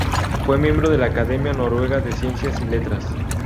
Fue miembro de la Academia noruega de Ciencia y Letras.